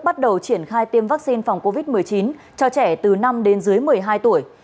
bắt đầu triển khai tiêm vaccine phòng covid một mươi chín cho trẻ từ năm đến dưới một mươi hai tuổi